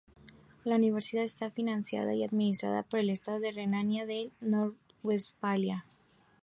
La universidad está financiada y administrada por el estado de Renania del Norte-Westfalia.